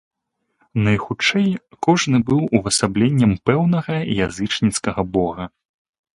Найхутчэй, кожны быў увасабленнем пэўнага язычніцкага бога.